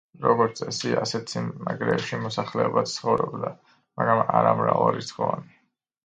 როგორც წესი, ასეთ სიმაგრეებში მოსახლეობაც ცხოვრობდა, მაგრამ არა მრავალრიცხოვანი.